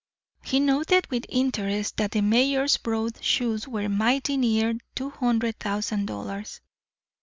He noted with interest that the mayor's broad shoes were mighty near two hundred thousand, dollars.